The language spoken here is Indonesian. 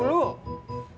kalau penyakit ringan lu